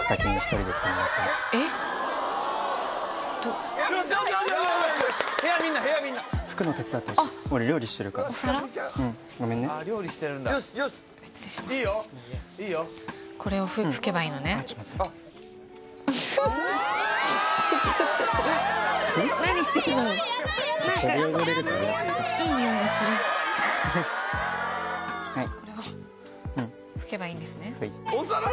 はいうんこれを拭けばいいんですね？